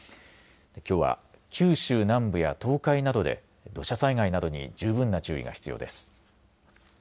きょうは九州南部や東海などで土砂災害などに十分な注意が必要です。